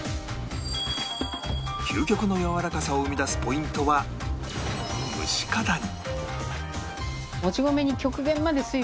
究極のやわらかさを生み出すポイントは蒸し方に